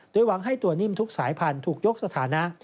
โดยหวังให้ตัวนิ่มทุกสายพันธุ์ถูกยกสถานะ